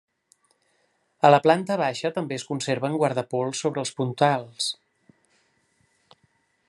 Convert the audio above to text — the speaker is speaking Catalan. A la planta baixa també es conserven guardapols sobre els puntals.